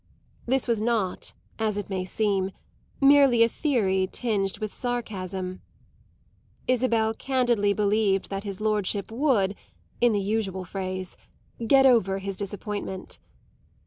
This was not, as it may seem, merely a theory tinged with sarcasm. Isabel candidly believed that his lordship would, in the usual phrase, get over his disappointment.